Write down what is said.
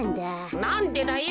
なんでだよ。